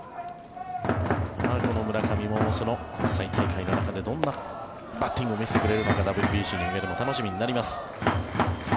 村上も国際大会の中でどんなバッティングを見せてくれるのかＷＢＣに向けて楽しみとなります。